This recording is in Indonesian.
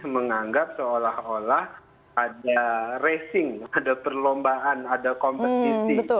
menganggap seolah olah ada racing ada perlombaan ada kompetisi